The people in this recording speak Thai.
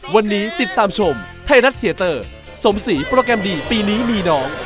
วันนี้ติดตามชมไทยรัฐเทียเตอร์สมศรีโปรแกรมดีปีนี้มีน้อง